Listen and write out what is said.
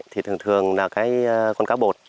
thì thường thường con cá bột